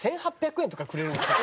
１８００円とかくれるんですよ。